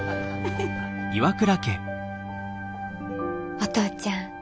お父ちゃん